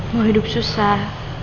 mau hidup susah